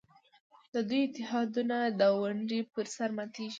د دوی اتحادونه د ونډې پر سر ماتېږي.